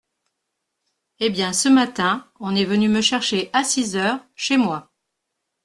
Eh bien, ce matin, on est venu me chercher à six heures… chez moi…